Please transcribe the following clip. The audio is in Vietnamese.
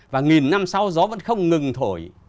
và nghìn năm sau gió vẫn không ngừng thổi